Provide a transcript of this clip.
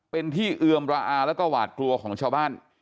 เป็นที่เอือมระอาแล้วก็หวาดกลัวของชาวบ้าน